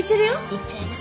言っちゃいな。